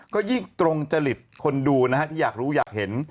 ก็ยิ่งตรงจริตคนดูนะฮะที่อยากรู้อยากเห็น